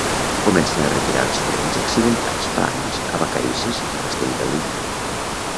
Comencen a retirar els trens accidentats fa anys a Vacarisses i Castellgalí.